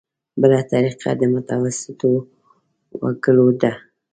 بله طریقه د متوسطو وګړو ده.